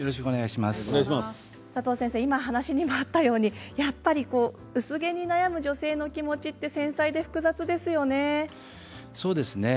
今、話にもあったように薄毛に悩む女性の気持ちって繊細で複雑ですよね。